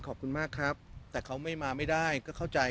ขอบคุณมากครับแต่เขาไม่มาไม่ได้ก็เข้าใจ